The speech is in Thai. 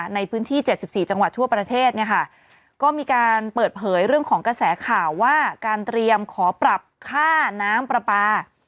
ในพื้นที่๗๔จังหวัดทั่วประเทศเนี่ยค่ะก็มีการเปิดเผยเรื่องของกระแสข่าวว่าการเตรียมขอปรับค่าน้ำปลาปลา